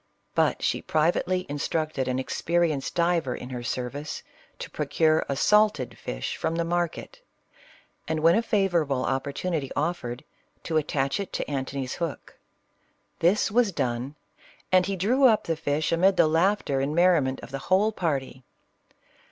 But she privately instructed an 42 CLEOPATRA. experienced diver in her service, to procure a salted fish from the market, and when a favorable opportu nity offered, to attach it to Antony's hook. This was done, and he drew up the fish amid the laughter and merriment of the whole party.